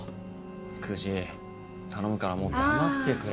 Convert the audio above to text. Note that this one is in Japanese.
久地頼むからもう黙ってくれ。